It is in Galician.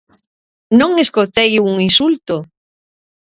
Non escoitei un insulto.